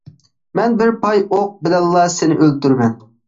مەن بىر پاي ئوق بىلەنلا سېنى ئۆلتۈرىمەن!